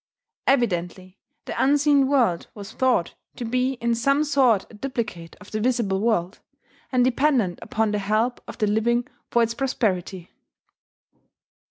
Evidently "the unseen world" was thought to be in some sort a duplicate of the visible world, and dependent upon the help of the living for its prosperity.